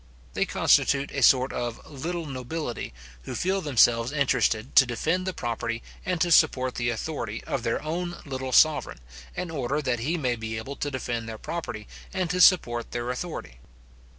They constitute a sort of little nobility, who feel themselves interested to defend the property, and to support the authority, of their own little sovereign, in order that he may be able to defend their property, and to support their authority.